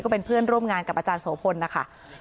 เป็นเพื่อนร่วมงานกับอาจารย์โสพลนะคะ